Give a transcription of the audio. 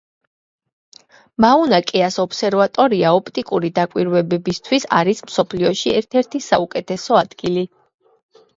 მაუნა-კეას ობსერვატორია ოპტიკური დაკვირვებებისათვის არის მსოფლიოში ერთ-ერთი საუკეთესო ადგილი.